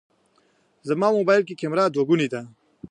زما موبایل کې کمېره دوهګونې ده.